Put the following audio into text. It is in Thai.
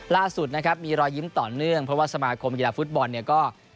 ล่าสุดนะครับมีรอยยิ้มต่อเนื่องเพราะว่าสมาคมกีฬาฟุตบอลเนี่ยก็